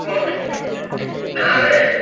সে তাঁহার সঙ্গে যাইতেছে বলিয়া তিনি নিশ্চিন্ত আছেন।